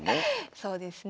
そうですね。